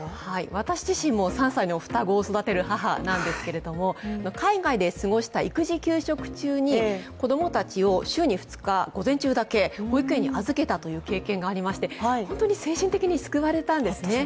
私自身も３歳の双子を育てる母なんですけれども海外で過ごした育児休職中に子供たちを週に２日、午前中だけ保育園に預けたという経験がありまして本当に精神的に救われたんですね。